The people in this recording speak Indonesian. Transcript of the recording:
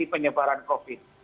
di penyebaran covid sembilan belas